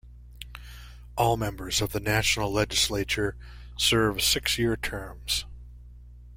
All members of the National Legislature serve six-year terms.